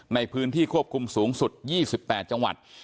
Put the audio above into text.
ในพื้นที่ควบคุมสูงสุด๒๘จังหวัด